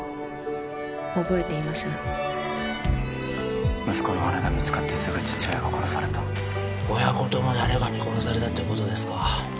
覚えていません息子の骨が見つかってすぐ父親が殺された親子とも誰かに殺されたってことですか？